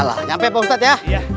lah nyampe pak ustadz ya